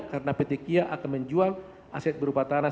karena pt kia akan menjual aset berupa tanah